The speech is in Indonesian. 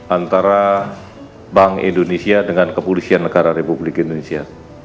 antara bank indonesia dengan kepolisian negara republik indonesia